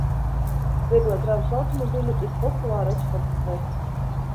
Vieglie kravas automobiļi ir populāra eksporta prece.